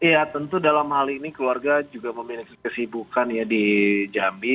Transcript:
ya tentu dalam hal ini keluarga juga memiliki kesibukan ya di jambi